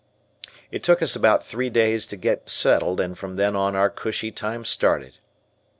It took us about three days to get settled and from then on our cushy time started.